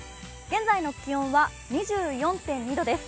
現在の気温は２４．２度です。